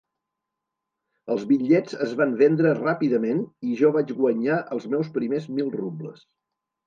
Els bitllets es van vendre ràpidament i jo vaig guanyar els meus primers mil rubles.